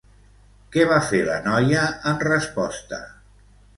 Què va fer la noia en resposta?